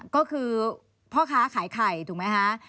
ก็คือพ่อค้าขายไข่ถูกไหมคะ